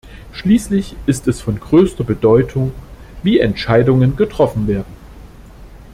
Schließlich ist es von größter Bedeutung, wie Entscheidungen getroffen werden.